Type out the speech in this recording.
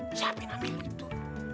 eh siapa namanya lu itu